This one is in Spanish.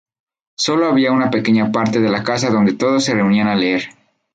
Solo había una pequeña parte de la casa donde todos se reunían a leer.